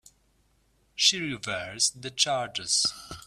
She reversed the charges.